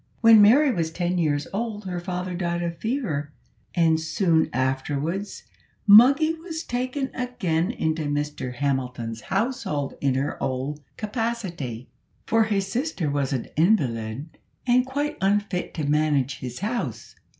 When Mary was ten years old her father died of fever, and soon afterwards Moggy was taken again into Mr Hamilton's household in her old capacity; for his sister was an invalid, and quite unfit to manage his house.